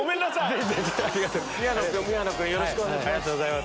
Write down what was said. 宮野君よろしくお願いします。